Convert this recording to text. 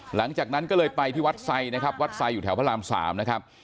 หลังจากนั้นก็เลยไปที่วัดไซดนะครับวัดไซดอยู่แถวพระราม๓นะครับ